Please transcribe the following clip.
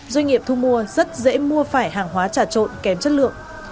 doanh nghiệp thu mua rất dễ mua phải hàng hóa trả trộn kém chất lượng